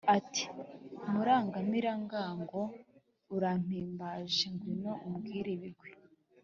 ati: murangamirangango, urampimbaje ngwino umbwire ibigwi.